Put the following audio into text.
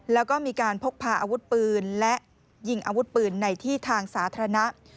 แล้วก็มีการพกพาอาวุธปืนและยิงอาวุธปืนในที่ทางสาธารณะ